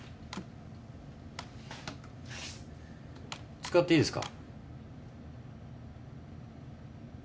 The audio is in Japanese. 使っていいですか？